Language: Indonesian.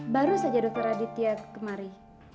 baru saja dokter aditya kemari